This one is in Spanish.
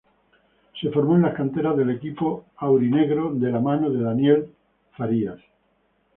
Se formó en las canteras del equipo aurinegro de la mano de Daniel Farías.